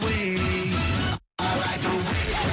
เฮ้ยมันมันมาก